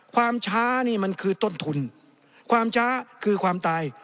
ความช้านี่มันคือต้นทุนความช้าคือความตาย